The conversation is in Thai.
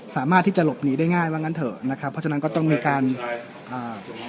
สามารถที่จะหลบหนีได้ง่ายว่างั้นเถอะนะครับเพราะฉะนั้นก็ต้องมีการอ่า